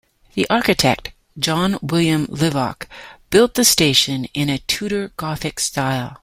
The architect, John William Livock, built the station in a Tudor Gothic style.